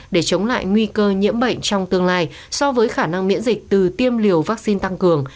để chống lại nguy cơ nhiễm bệnh trong tương lai so với khả năng miễn dịch từ tiêm liều vaccine tăng cường